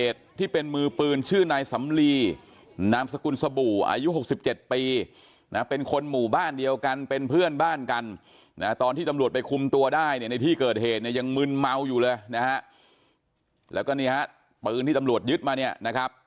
ที่เกิดเหตุเนี้ยยังมืนเมาอยู่เลยนะฮะแล้วก็นี่ฮะปืนที่ตำลวดยึดมาเนี้ยนะครับ